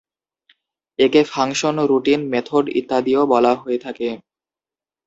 একে function, routine, method ইত্যাদিও বলা হয়ে থাকে।